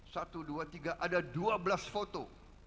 satu dua tiga ada dua belas foto